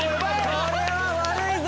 これは悪いぞ！